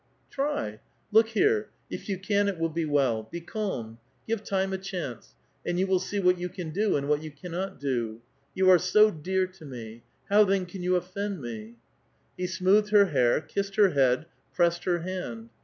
" Tr^ . Look here : if you can, it will be well. Be calm ; give time a chance, and you will see what you can do, and what you cannot do. You are so dear to me ; how, then, can you offend me?" He smoothed her hair, kissed her head, pressed her hand.